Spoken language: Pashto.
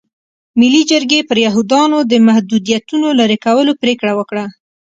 ملي جرګې پر یهودیانو د محدودیتونو لرې کولو پرېکړه وکړه.